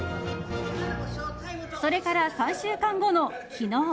それから３週間後の、昨日。